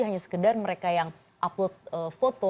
hanya sekedar mereka yang upload foto